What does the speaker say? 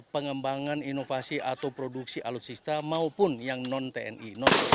pengembangan inovasi atau produksi alutsista maupun yang non tni